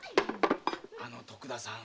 あの徳田さん